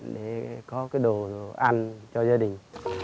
để có cái đồ ăn cho gia đình